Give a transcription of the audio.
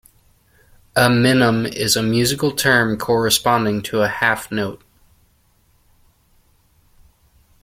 A minim is a musical term corresponding to a half note.